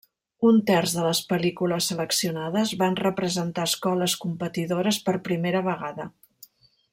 Un terç de les pel·lícules seleccionades van representar escoles competidores per primera vegada.